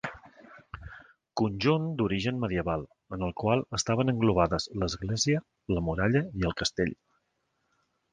Conjunt d'origen medieval en el qual estaven englobades l'església, la muralla i el castell.